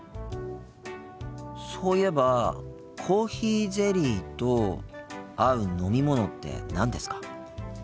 そういえばコーヒーゼリーと合う飲み物って何ですか？